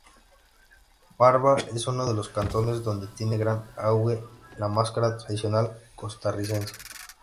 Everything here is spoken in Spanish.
Barva es uno de los cantones donde tiene gran auge la mascarada tradicional costarricense.